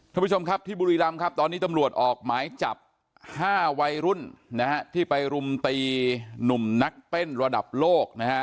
ท่านผู้ชมครับที่บุรีรำครับตอนนี้ตำรวจออกหมายจับ๕วัยรุ่นนะฮะที่ไปรุมตีหนุ่มนักเต้นระดับโลกนะฮะ